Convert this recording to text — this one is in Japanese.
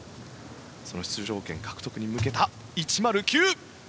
その出場権獲得に向けた１０９。